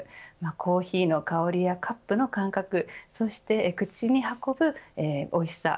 コーヒーの香りやカップの感覚そして口に運ぶおいしさ